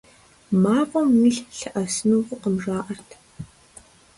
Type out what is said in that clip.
МафӀэм уилъ лъэӀэсыну фӀыкъым, жаӀэрт.